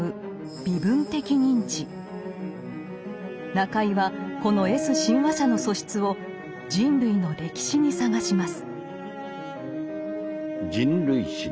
中井はこのＳ親和者の素質を人類の歴史に探します。